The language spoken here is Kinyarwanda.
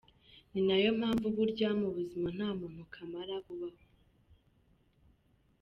Ninayo mpamvu burya mubuzima nta muntu kamara ubaho.